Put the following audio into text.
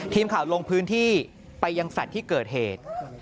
ทีมข่าวลงพื้นที่ไปยังแฟลต์ที่เกิดเหตุ